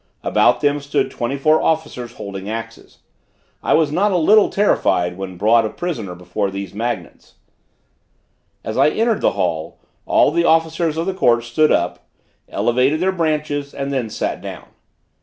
About them stood twenty four officers holding axes. I was not a little terrified when brought a prisoner before these magnates. As I entered the hall, all the officers of the court stood up, elevated their branches and then sat down.